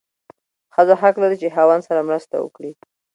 ښځه حق لري چې خاوند سره مرسته وکړي.